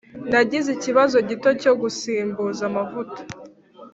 nagize ikibazo gito cyo gusimbuza amavuta.